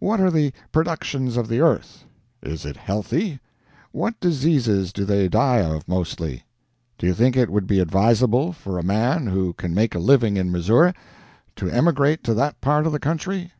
What are the productions of the earth? Is it healthy? What diseases do they die of mostly? Do you think it would be advisable for a man who can make a living in Missouri to emigrate to that part of the country?